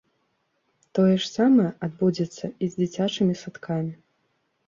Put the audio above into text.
Тое ж самае адбудзецца і з дзіцячымі садкамі.